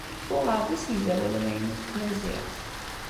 Uɣeɣ-d asegzawal amaynut n tmaziɣt.